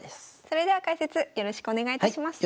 それでは解説よろしくお願いいたします。